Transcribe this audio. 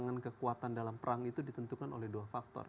kemenangan kekuatan dalam perang itu ditentukan oleh dua faktor